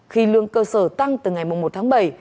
khi lương cơ sở tăng từ ngày một tháng bảy